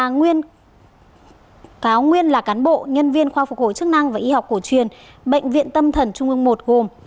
một nguyên là cáo nguyên là cán bộ nhân viên khoa phục hồi chức năng và y học cổ truyền bệnh viện tâm thần trung ương một gồm